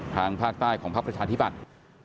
ทางฟ้าใต้ของภาพประชานธิปัตย์